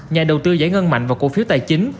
nhà đầu tư giải ngân mạnh vào cổ phiếu tài chính